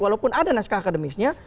walaupun ada naskah akademisnya